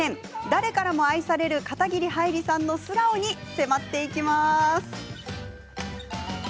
誰からも愛される片桐はいりさんの素顔に迫ります。